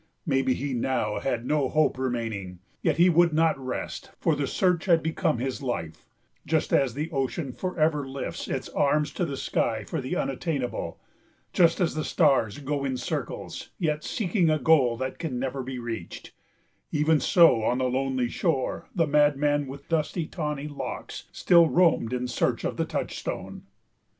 Maybe he now had no hope remaining, yet he would not rest, for the search had become his life, Just as the ocean for ever lifts its arms to the sky for the unattainable Just as the stars go in circles, yet seeking a goal that can never be reached Even so on the lonely shore the madman with dusty tawny locks still roamed in search of the touchstone.